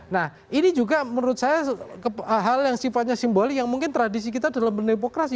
nah ini juga menurut saya hal yang sifatnya simboli yang mungkin tradisi kita dalam berdemokrasi